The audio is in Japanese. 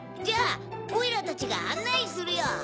じゃあおいらたちがあんないするよ。